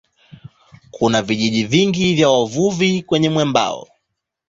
Kuna vijiji vingi vya wavuvi kwenye mwambao.